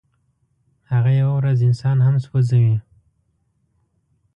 هغه یوه ورځ انسان هم سوځوي.